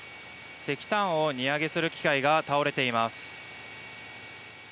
石炭を荷揚げする機械が倒れています。